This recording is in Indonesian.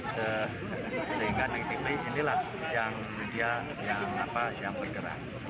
sehingga neng selvi inilah yang bergerak